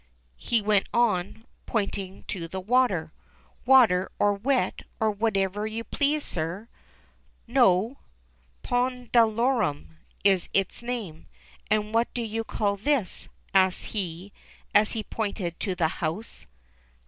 he went on, pointing to the water. "Water or wet, or whatever you please, sir." "No, 'pondalorum' is its name. And what do you call all this ?" asked he, as he pointed to the house.